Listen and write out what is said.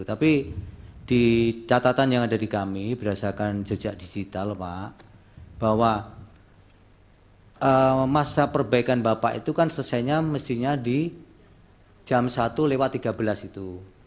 tapi di catatan yang ada di kami berdasarkan jejak digital pak bahwa masa perbaikan bapak itu kan selesainya mestinya di jam satu lewat tiga belas itu